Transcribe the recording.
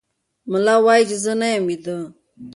ملا وایي چې زه نه یم ویده.